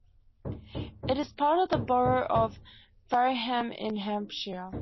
It is part of the borough of Fareham in Hampshire.